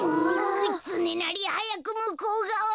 つねなりはやくむこうがわへ。